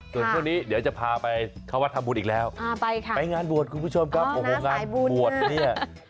ส่วนช่วงนี้เดี๋ยวจะพาไปเข้าวัดทำบุญอีกแล้วไปงานบวชคุณผู้ชมครับโอ้โหงานบวชเนี่ย